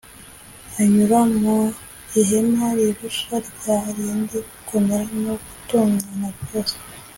anyura mu ihema rirusha rya rindi gukomera no gutungana rwose,